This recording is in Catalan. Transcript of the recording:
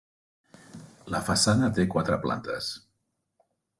La façana té quatre plantes.